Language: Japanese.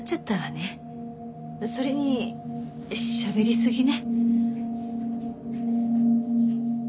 それにしゃべりすぎね。